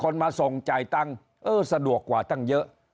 จังใจตั้งสะดวกกว่าตั้งเยอะ